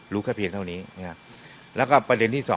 รู้แค่เพียงเท่านี้